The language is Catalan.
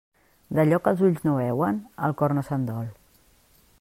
D'allò que els ulls no veuen, el cor no se'n dol.